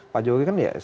pak jokowi kan ya